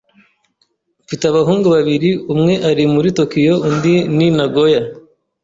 Mfite abahungu babiri. Umwe ari muri Tokiyo undi ni Nagoya.